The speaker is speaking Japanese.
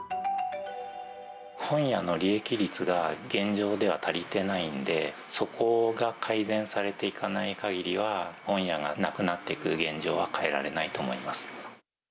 本屋の利益率が現状では足りてないんで、そこが改善されていかないかぎりは、本屋がなくなっていく現状は変えられないと思います。